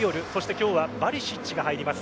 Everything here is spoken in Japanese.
今日はバリシッチが入ります。